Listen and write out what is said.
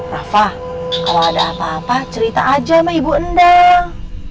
rafa kalau ada apa apa cerita aja sama ibu endang